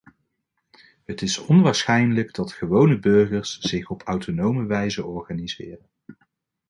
Het is onwaarschijnlijk dat gewone burgers zich op autonome wijze organiseren.